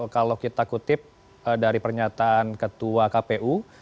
kalau kita kutip dari pernyataan ketua kpu